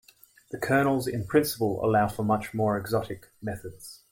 The kernels in principle allow for much more exotic methods.